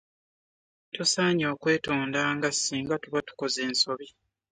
Tusaanye okwetondanga singa tuba tukoze ensobi.